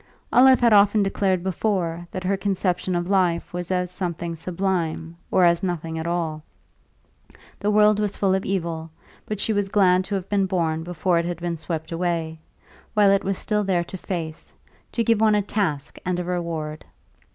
Olive had often declared before that her conception of life was as something sublime or as nothing at all. The world was full of evil, but she was glad to have been born before it had been swept away, while it was still there to face, to give one a task and a reward.